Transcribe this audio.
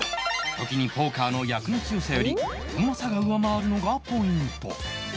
時にポーカーの役の強さよりうまさが上回るのがポイント